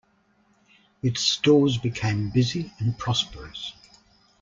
Its stores became busy and prosperous.